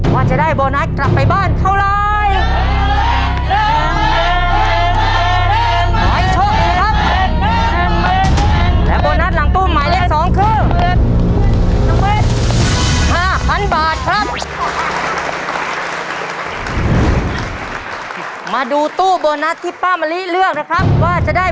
ว่าจะได้โบนัสกลับไปบ้านเท่าไร